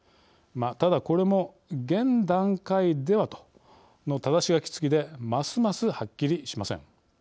ただ、これも「現段階では」とのただし書きつきでますます、はっきりしません。